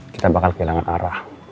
kita bakal kehilangan arah